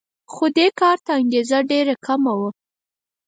خو دې کار ته انګېزه ډېره کمه وه